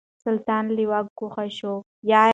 سلطان له واکه ګوښه شو.